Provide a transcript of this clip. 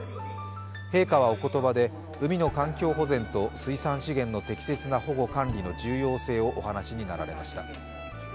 陛下は、おことばで海の環境保全と水産資源の適切な保護管理の重要性をお話しになられました。